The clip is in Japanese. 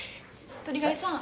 鳥貝さん